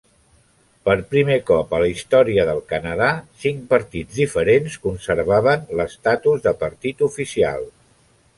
Per primer cop a la història del Canadà, cinc partits diferents conservaven l'estatus de partit oficial.